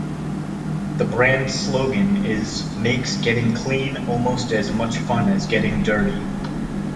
The brand's slogan is "Makes Getting Clean Almost as Much Fun as Getting Dirty!".